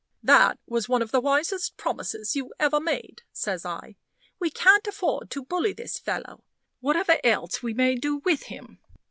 "That was one of the wisest promises you ever made," says I. "We can't afford to bully this fellow, whatever else we may do with him.